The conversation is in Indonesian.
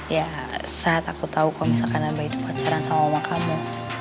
ya saat aku tau kalau misalkan abah itu pacaran sama omakamu